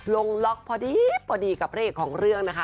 ลงล็อกพอดีพอดีกับเลขของเรื่องนะคะ